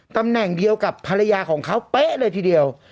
ตำแหน่งเดียวกับภรรยาของเขาเป๊ะเลยทีเดียว